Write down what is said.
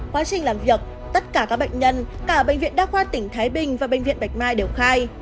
quá trình làm việc tất cả các bệnh nhân cả bệnh viện đa khoa tỉnh thái bình và bệnh viện bạch mai đều khai